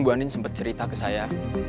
bu andin sempet cerita ke saya